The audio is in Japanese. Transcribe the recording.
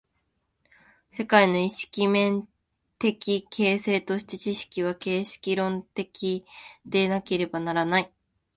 世界の意識面的形成として、知識は形式論理的でなければならない。